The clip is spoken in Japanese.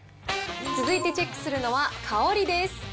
続いてチェックするのは香りです。